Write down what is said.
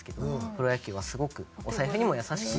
プロ野球はすごくお財布にも優しく。